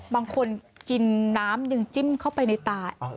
บางคนกินน้ำหนึ่งจิ้มเข้าไปในตา